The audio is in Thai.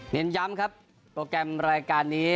เน้นย้ำครับโปรแกรมรายการนี้